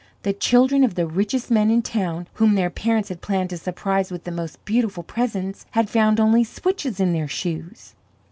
The children of the richest men in the town, whom their parents had planned to surprise with the most beautiful presents had found only switches in their shoes!